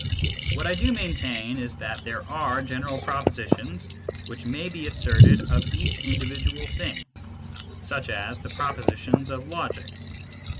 What I do maintain is that there are general propositions which may be asserted of each individual thing, such as the propositions of logic.